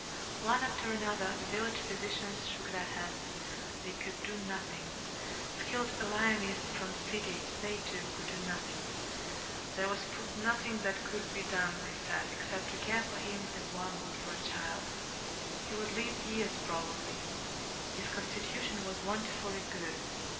One after another the village physicians shook their heads they could do nothing. Skilled alienists from the city they, too, could do nothing. There was nothing that could be done, they said, except to care for him as one would for a child. He would live years, probably. His constitution was wonderfully good.